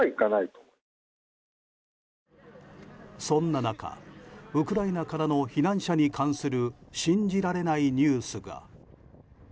そんな中、ウクライナからの避難者に関する信じられないニュースが。